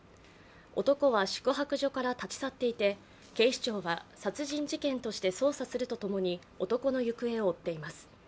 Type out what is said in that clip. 男は宿泊所から立ち去っていて警視庁は殺人事件として捜査するとともに男の行方を追っています。